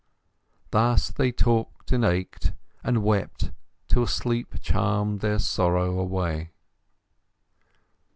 Thus they talked, and ached, and wept till sleep charmed their sorrow away.